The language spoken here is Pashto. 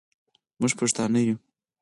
موږ پښتانه یو.